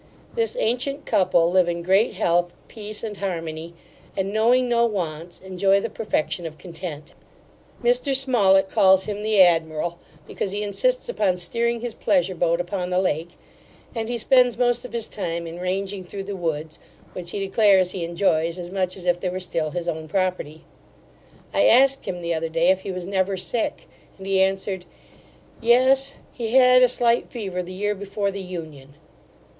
This ancient couple live in great health, peace, and harmony, and, knowing no wants, enjoy the perfection of content. Mr Smollet calls him the admiral, because he insists upon steering his pleasure boat upon the lake; and he spends most of his time in ranging through the woods, which he declares he enjoys as much as if they were still his own property I asked him the other day, if he was never sick, and he answered, Yes; he had a slight fever the year before the union.